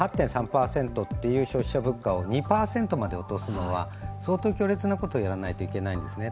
８．３％という消費者物価を２％に落とすというのは相当強烈なことをやらないといけないんですね。